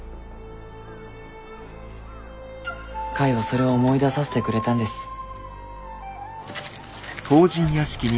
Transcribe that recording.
カイはそれを思い出させてくれたんです。